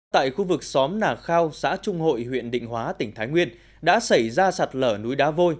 tại khu vực xóm nà khao xã trung hội huyện định hóa tỉnh thái nguyên đã xảy ra sạt lở núi đá vôi